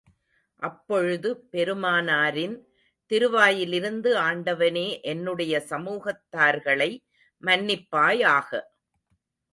அப்பொழுது பெருமானாரின் திருவாயிலிருந்து ஆண்டவனே என்னுடைய சமூகத்தார்களை மன்னிப்பாயாக!